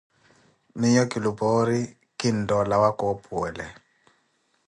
Miyo kilupoori iii, kintoolawa koopuwele.